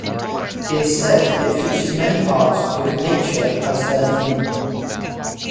Instead, it features many parks with nature as their theme.